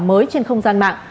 mới trên không gian mạng